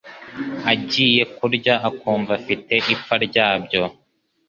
agiye kurya akumva afite ipfa ryabyo,